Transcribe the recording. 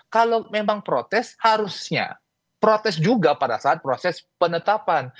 kalau memang protes harusnya protes juga pada saat proses penetapan